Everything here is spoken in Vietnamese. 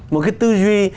một cái tư duy